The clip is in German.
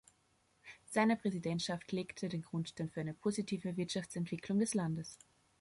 Seine Präsidentschaft legte den Grundstein für eine positive Wirtschaftsentwicklung des Landes.